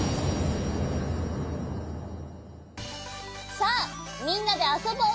さあみんなであそぼう。